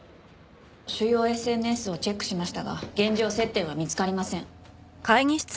主要ＳＮＳをチェックしましたが現状接点は見つかりません。